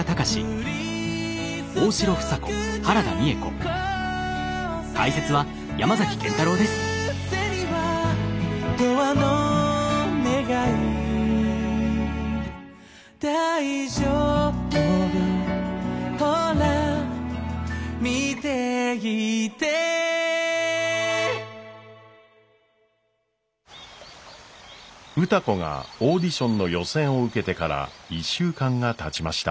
歌子がオーディションの予選を受けてから１週間がたちました。